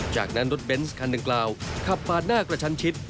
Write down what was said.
จากนั้นรถเบนส์คันดังกล่าวขับปาดหน้ากระชันชิด